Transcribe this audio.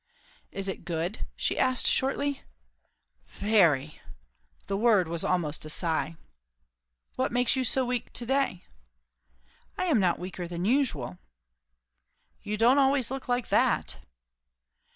"Is it good?" she asked shortly. "Very!" The word was almost a sigh. "What makes you so weak to day?" "I am not weaker than usual." "You don't always look like that."